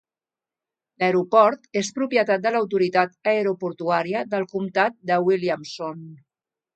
L"aeroport és propietat de l"Autoritat aeroportuària del comtat de Williamson.